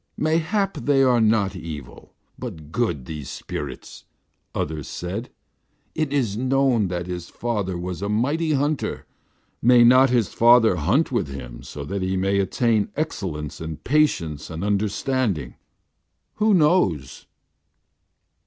"Mayhap they be not evil, but good, these spirits," others said. "It is known that his father was a mighty hunter. May not his father hunt with him so that he may attain excellence and patience and understanding? Who knows?"